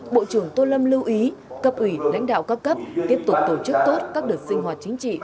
bộ trưởng tô lâm lưu ý cấp ủy lãnh đạo các cấp tiếp tục tổ chức tốt các đợt sinh hoạt chính trị